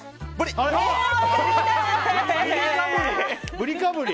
ブリかぶり。